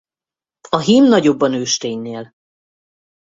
A hím nagyobb a nősténynél.